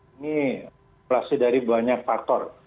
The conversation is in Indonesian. ini berasal dari banyak faktor